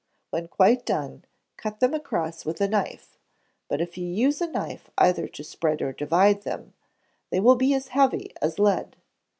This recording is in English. When quite done, cut them across with a knife; but if you use a knife either to spread or divide them, they will be as heavy as lead.